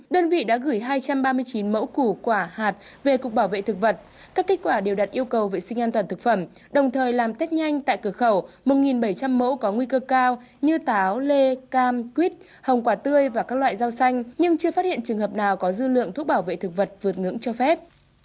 đơn vị đã gửi hai trăm ba mươi chín mẫu củ quả hạt về cục bảo vệ thực vật các kết quả đều đặt yêu cầu vệ sinh an toàn thực phẩm đồng thời làm tết nhanh tại cửa khẩu một bảy trăm linh mẫu có nguy cơ cao như táo lê cam quýt hồng quả tươi và các loại rau xanh nhưng chưa phát hiện trường hợp nào có dư lượng thuốc bảo vệ thực vật vượt ngưỡng cho phép